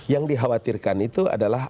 yang dikhawatirkan itu adalah